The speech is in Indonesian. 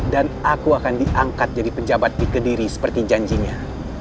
dan aku akan diangkat jadi pejabat di kediri seperti janjinya